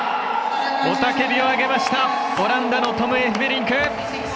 雄たけびを上げましたオランダのトム・エフベリンク！